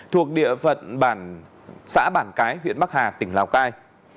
thuộc địa phận bản xã bản cái huyện bắc hà tỉnh lào cai